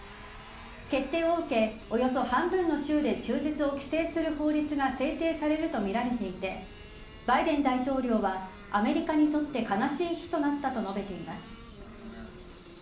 決定を受け、およそ半分の州で中絶を規制する法律が制定されるとみられていてバイデン大統領はアメリカにとって悲しい日となったと述べています。